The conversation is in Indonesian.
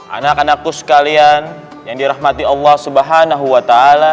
anak anakku sekalian yang dirahmati allah swt